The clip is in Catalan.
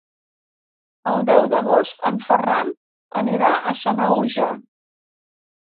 El deu d'agost en Ferran anirà a Sanaüja.